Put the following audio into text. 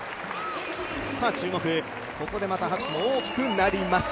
注目、ここでまた拍手も大きくなります。